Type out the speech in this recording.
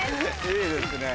いいですね。